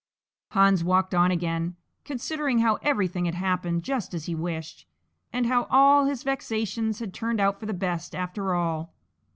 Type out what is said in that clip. Hans walked on again, considering how everything had happened just as he wished, and how all his vexations had turned out for the best after all!